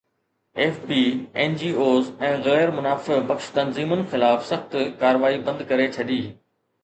F B N G Os ۽ غير منافع بخش تنظيمن خلاف سخت ڪارروائي بند ڪري ڇڏي